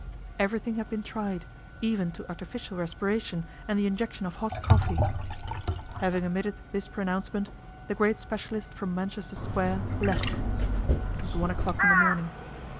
Everything had been tried, even to artificial respiration and the injection of hot coffee. Having emitted this pronouncement, the great specialist from Manchester Square left. It was one o'clock in the morning.